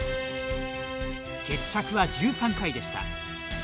決着は１３回でした。